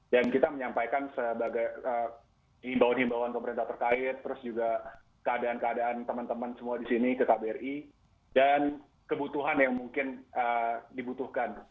dan kita menyampaikan sebagian imbau imbauan pemerintah terkait keadaan keadaan teman teman semua di sini ke kbri dan kebutuhan yang mungkin dibutuhkan